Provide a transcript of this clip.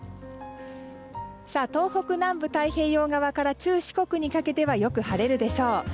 東北南部太平洋側から中・四国にかけてよく晴れるでしょう。